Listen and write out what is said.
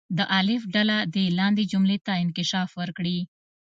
د الف ډله دې لاندې جملې ته انکشاف ورکړي.